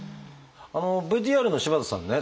ＶＴＲの柴田さんね